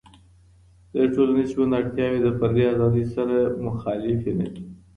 د ټولنیز ژوند اړتیاوې د فردي ازادۍ سره مخالفېي نه دي.